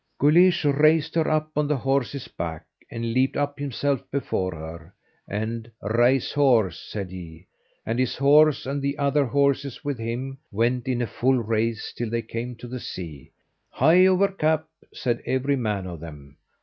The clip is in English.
Guleesh raised her up on the horse's back, and leaped up himself before her, and, "Rise, horse," said he; and his horse, and the other horses with him, went in a full race until they came to the sea. "Hie over cap!" said every man of them.